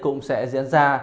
cũng sẽ diễn ra